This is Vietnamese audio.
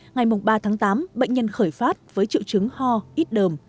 ngày ba tháng tám bệnh nhân khởi phát với triệu chứng ho ít đờm